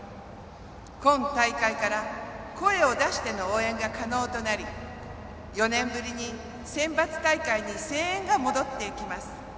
今大会から声を出しての応援が可能となり４年ぶりに、センバツ大会に声援が戻ってきます。